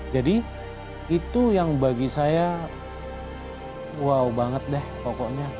jadi itu yang bagi saya wow banget deh pokoknya